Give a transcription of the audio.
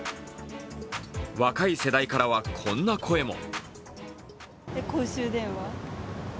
若い世代からは、こんな声も。